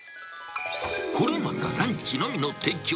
これまたランチのみの提供。